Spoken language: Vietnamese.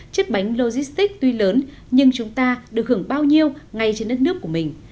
chiếc bánh logistics tuy lớn nhưng chúng ta được hưởng bao nhiêu ngay trên đất nước của mình